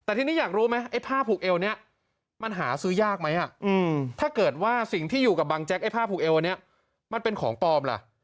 แต่ทีนี้อยากรู้ไหมไอ้ผ้าผูกเอวนี้มันหาซื้อยากไหมถ้าเกิดว่าสิ่งที่อยู่กับบังแจ๊กไอ้ผ้าผูกเอวอันนี้มันเป็นของปลอมล่ะ